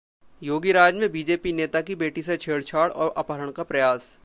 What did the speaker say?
योगीराज में बीजेपी नेता की बेटी से छेड़छाड़ और अपहरण का प्रयास